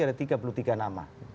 ada tiga puluh tiga nama